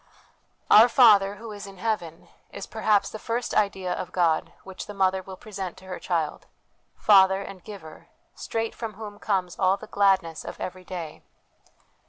"Our Father, who is in 350 HOME EDUCATION heaven," is perhaps the first idea of God which the mother will present to her child Father and Giver, straight from whom comes all the gladness of every day.